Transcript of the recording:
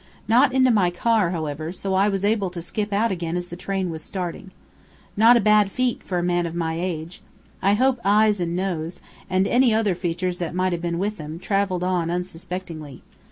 Not into my car, however, so I was able to skip out again as the train was starting. Not a bad feat for a man of my age! I hope Eyes and Nose, and any other features that may have been with them, travelled on unsuspectingly.